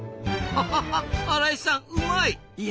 ははは新井さんうまい！